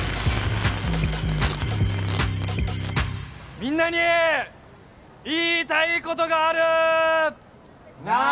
みんなに言いたいことがあるなー